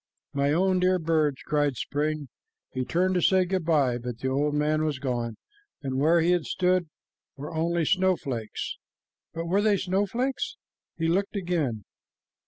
"My own dear birds!" cried spring. He turned to say good by, but the old man was gone, and where he had stood were only snowflakes. But were they snowflakes? He looked again.